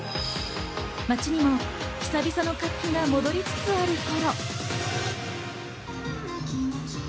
街にも久々の活気が戻りつつある頃。